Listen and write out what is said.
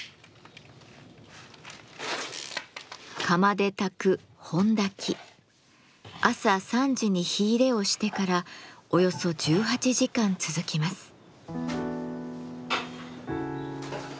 釜で焚く朝３時に火入れをしてからおよそ１８時間続きます。